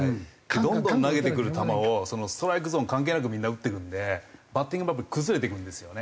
どんどん投げてくる球をストライクゾーン関係なくみんな打っていくんでバッティングがやっぱ崩れていくんですよね。